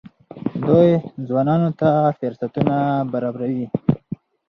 دوی ځوانانو ته فرصتونه برابروي.